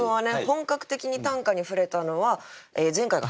本格的に短歌に触れたのは前回が初めて？